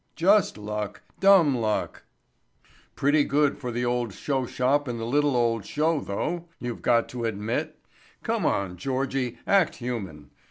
"Just luck—dumb luck." "Pretty good for the little old showshop and the little old show, though, you've got to admit. Come on, Georgie, act human.